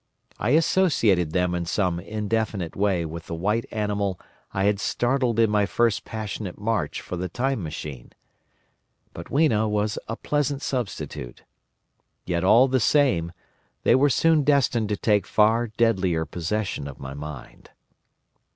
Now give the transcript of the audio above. I associated them in some indefinite way with the white animal I had startled in my first passionate search for the Time Machine. But Weena was a pleasant substitute. Yet all the same, they were soon destined to take far deadlier possession of my mind.